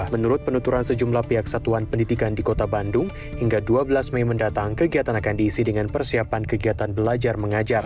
menurut penuturan sejumlah pihak satuan pendidikan di kota bandung hingga dua belas mei mendatang kegiatan akan diisi dengan persiapan kegiatan belajar mengajar